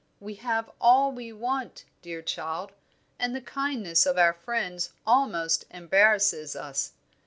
We have all we want, dear child, and the kindness of our friends almost embarrasses us.